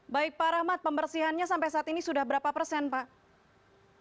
baik pak rahmat pembersihannya sampai saat ini sudah berapa persen pak